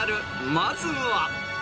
［まずは］